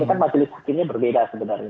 ini kan majelis hakimnya berbeda sebenarnya